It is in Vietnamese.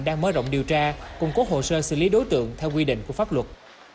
đang mở rộng điều tra củng cố hồ sơ xử lý đối tượng theo quy định của pháp luật